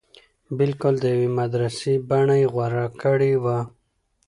بلکل د يوې مدرسې بنه يې غوره کړې وه.